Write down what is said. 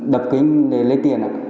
đập kính để lấy tiền